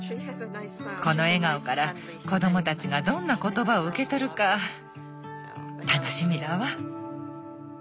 この笑顔から子供たちがどんな言葉を受け取るか楽しみだわ。